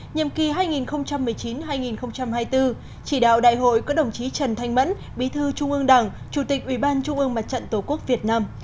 nhiệm kỳ hai nghìn một mươi chín hai nghìn hai mươi bốn chỉ đạo đại hội có đồng chí trần thanh mẫn bí thư trung ương đảng chủ tịch ủy ban trung ương mặt trận tổ quốc việt nam